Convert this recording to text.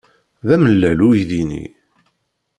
D amellal uydi-nni.